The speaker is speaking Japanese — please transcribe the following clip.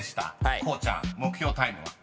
［こうちゃん目標タイムは？］